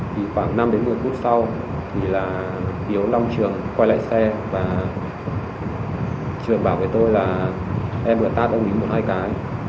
khoảng năm một mươi phút sau thì hiếu long trường quay lại xe và trường bảo với tôi là em đã tát ông ý một hai cái